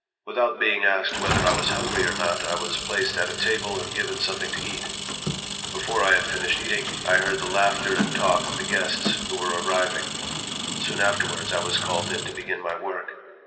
Without being asked whether I was hungry or not, I was placed at a table and given something to eat. Before I had finished eating, I heard the laughter and talk of the guests who were arriving. Soon afterwards I was called in to begin my work.